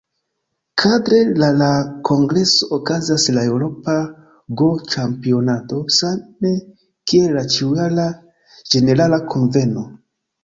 Kadre la la kongreso okazas la "Eŭropa Go-Ĉampionado", same kiel la ĉiujara Ĝenerala Kunveno.